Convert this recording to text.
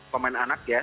pemain anak ya